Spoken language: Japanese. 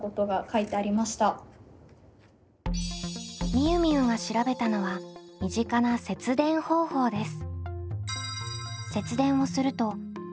みゆみゆが調べたのは身近な節電方法です。